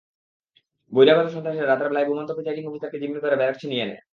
বহিরাগত সন্ত্রাসীরা রাতের বেলায় ঘুমন্ত প্রিসাইডিং কর্মকর্তাকে জিম্মি করে ব্যালট ছিনিয়ে নেয়।